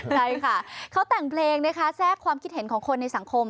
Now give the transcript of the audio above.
ใช่ค่ะเขาแต่งเพลงนะคะแทรกความคิดเห็นของคนในสังคม